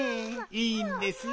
いいんですよ。